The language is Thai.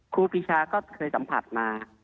ครูปีชาก็เคยสัมผัสมา